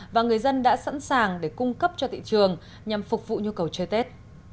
và người dân đã sẵn sàng để cung cấp cho thị trường nhằm phục vụ nhu cầu chơi tết